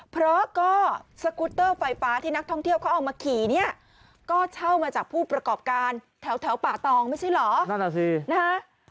เพราะก็สกุตเตอร์ไฟฟ้าที่นักท่องเที่ยวเขาเอามาขี่เนี่ยก็เช่ามาจากผู้ประกอบการแถวป่าตองไม่ใช่เหรอนั่นแหละสินะฮะ